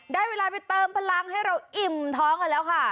ได้เวลาไปเติมพลังให้เราอิ่มท้องกันแล้วค่ะ